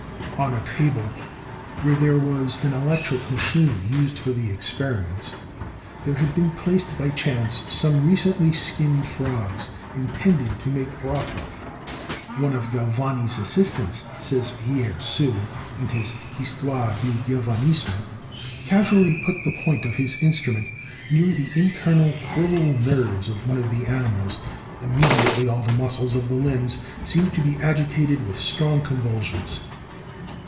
On a table, where there was an electric machine used for the experiments, there had been placed by chance some recently skinned frogs, intended to make broth of. "One of Galvani's assistants," says P. Sue in his 'Histoire du Galvanisme,' "casually put the point of his instrument near the internal crural nerves of one of the animals; 178 ELECTRICITY immediately all the muscles of the limbs seemed to be agitated with strong convulsions.